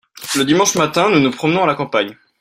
le dimanche matin nous nous promenons à la campagne.